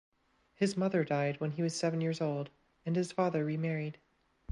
His mother died when he was seven years old and his father remarried.